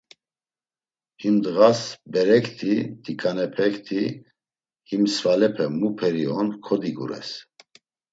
Him ndğas berekti t̆iǩanepekti him svalepe mu peri on kodigures.